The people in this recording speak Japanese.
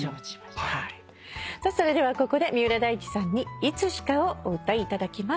それではここで三浦大知さんに『いつしか』をお歌いいただきます。